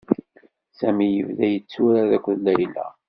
Sami yebda itturar akked Layla.